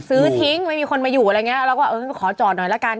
ซื้อทิ้งไม่มีคนมาอยู่อะไรอย่างเงี้ยเราก็เออขอจอดหน่อยละกัน